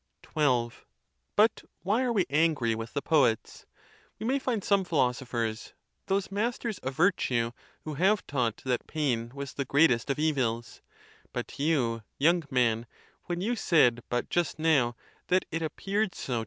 XII. But why are we angry with the poets? We may find some philosophers, those masters. of virtue, who have taught that pain was the greatest of evils. But you, young man, when you said but just now that it appeared so.